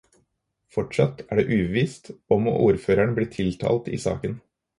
Fortsatt er det uvisst om ordføreren blir tiltalt i saken.